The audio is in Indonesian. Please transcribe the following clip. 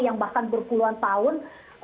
yang bahkan berpuluhan tahun